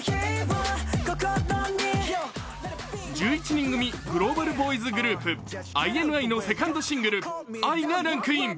１１人組グローバルボーイズグループ、ＩＮＩのセカンドシングル、「Ｉ」がランクイン。